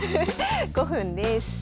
５分です。